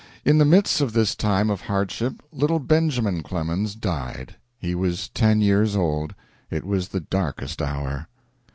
In the midst of this time of hardship little Benjamin Clemens died. He was ten years old. It was the darkest hour.